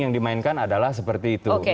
yang dimainkan adalah seperti itu